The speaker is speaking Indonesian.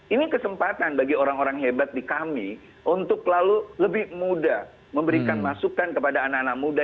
ini kesempatan bagi orang orang hebat di kami untuk lalu lebih mudah memberikan masukan kepada anak anak muda